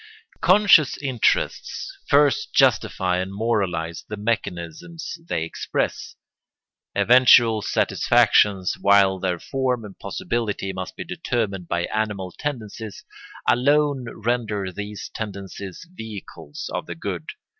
Conscious interests first justify and moralise the mechanisms they express. Eventual satisfactions, while their form and possibility must be determined by animal tendencies, alone render these tendencies vehicles of the good.